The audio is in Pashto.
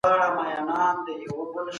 هغه مخلوق چي روح ولري احساس هم لري.